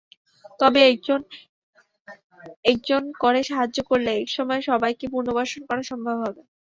তবে একজন একজন করে সাহায্য করলে একসময় সবাইকেই পুনর্বাসন করা সম্ভব হবে।